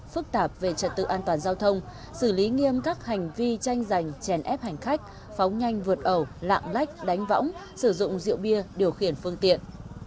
phức tạp về trật tự an toàn giao thông xử lý nghiêm các hành vi tranh giành chèn ép hành khách phóng nhanh vượt ẩu lạng lách đánh võng sử dụng rượu bia điều khiển phương tiện